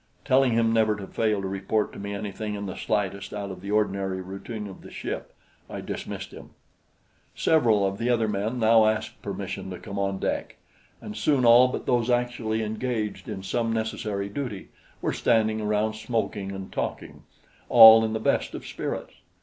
Telling him never to fail to report to me anything in the slightest out of the ordinary routine of the ship, I dismissed him. Several of the other men now asked permission to come on deck, and soon all but those actually engaged in some necessary duty were standing around smoking and talking, all in the best of spirits.